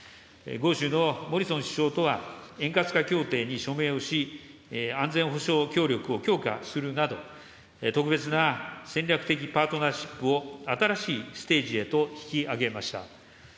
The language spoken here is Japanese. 豪州のモリソン首相とは、円滑化協定に署名をし、安全保障協力を強化するなど、特別な戦略的パートナーシップを新しいステージへと引き上げました。